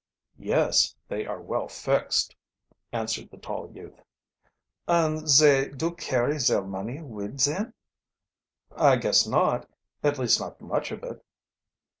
"Yes, they are well fixed," answered the tall youth. "And zay do carry zare money wid zem?" "I guess not at least, not much of it."